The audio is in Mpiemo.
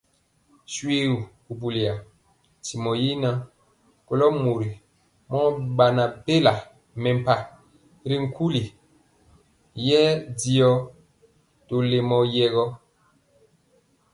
Shoégu buliya, ntimɔ yi ŋan, kɔlo mori mɔ bɛna mɛmpah ri kula yɛ diɔ tɔlemɔ yɛɛ gɔ.